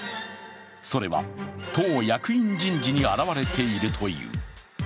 それは党役員人事に表れているという。